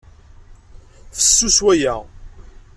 Fessus waya.